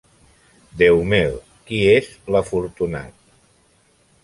Déu meu! Qui és l'afortunat?